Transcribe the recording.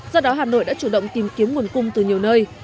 do đó hà nội đã chủ động tìm kiếm nguồn cung từ nhiều nơi